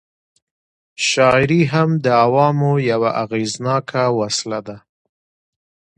شاعري هم د عوامو یوه اغېزناکه وسله وه.